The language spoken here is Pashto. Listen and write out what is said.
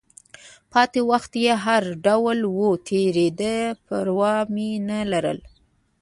پاتې وخت چې هر ډول و، تېرېده، پروا مې نه لرله.